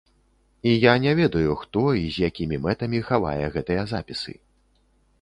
І я не ведаю, хто і з якімі мэтамі хавае гэтыя запісы.